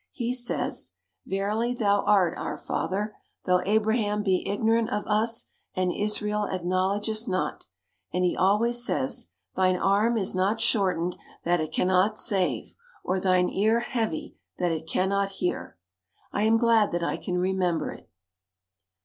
He says, "Verily Thou art our Father, though Abraham be ignorant of us and Israel acknowledge us not," and he always says, "Thine arm is not shortened that it cannot save, or Thine ear heavy that it cannot hear." I am glad that I can remember it.